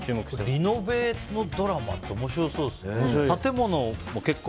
リノベのドラマって面白そうですね。